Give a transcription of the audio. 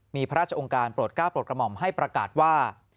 มีพระราชองค์การโปรดก้าวโปรดกระหม่อมให้ประกาศว่า